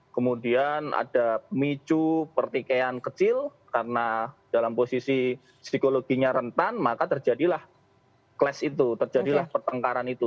kemudian ada micu pertikaian kecil karena dalam posisi psikologinya rentan maka terjadilah kles itu terjadilah pertengkaran itu